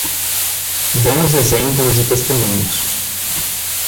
Bons exemplos e testemunhos